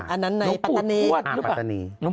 อันนั้นในปัตตานีวดหรือเปล่า